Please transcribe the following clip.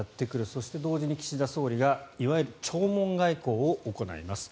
そして同時に岸田総理がいわゆる弔問外交を行います。